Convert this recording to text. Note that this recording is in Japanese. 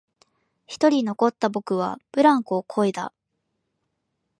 一人残った僕はブランコをこいだ